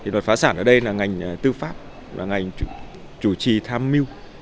luật phá sản ở đây là ngành tư pháp là ngành chủ trì tham mưu